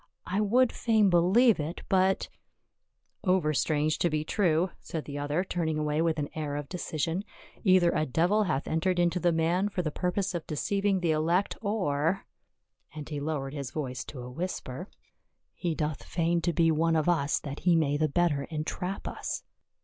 " I would fain believe it, but —"" Over strange to be true," said the other, turning away with an air of decision. " Either a devil hath entered into the man for the purpose of deceiving the elect, or —" and he lowered his voice to a whisper, SA UL IN JERUSALEM. 139 " he doth feign to be one of us that he may the better entrap us."